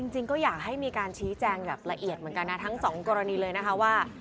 จริงก็อยากให้มีการชี้แจงแบบละเอียดเหมือนกันนะทั้งสองกรณีเลยนะคะว่า